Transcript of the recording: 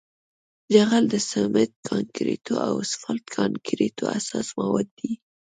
جغل د سمنټ کانکریټو او اسفالټ کانکریټو اساسي مواد دي